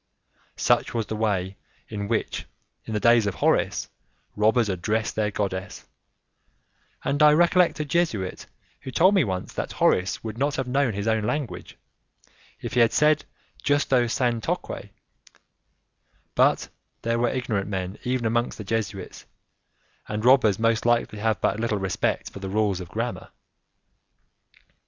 Such was the way in which, in the days of Horace, robbers addressed their goddess, and I recollect a Jesuit who told me once that Horace would not have known his own language, if he had said justo sanctoque: but there were ignorant men even amongst the Jesuits, and robbers most likely have but little respect for the rules of grammar.